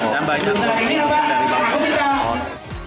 dan banyak lagi dari bank bank